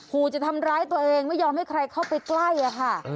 ขู่จะทำร้ายตัวเองไม่ยอมให้ใครเข้าไปใกล้อะค่ะ